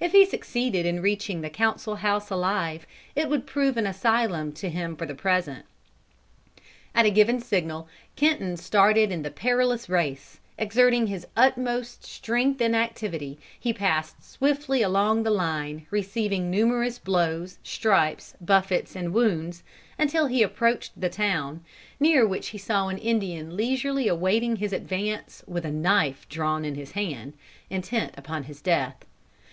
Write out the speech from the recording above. If he succeeded in reaching the council house alive, it would prove an asylum to him for the present. "At a given signal, Kenton started in the perilous race; exerting his utmost strength and activity, he passed swiftly along the line, receiving numerous blows, stripes, buffets, and wounds, until he approached the town, near which he saw an Indian leisurely awaiting his advance, with a drawn knife in his hand, intent upon his death.